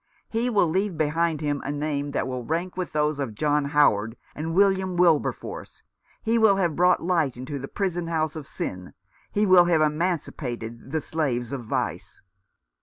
" He will leave behind him a name that should rank with those of John Howard and William Wiiberforce. He will have brought light into the prison house of sin, he will have emancipated the slaves of vice."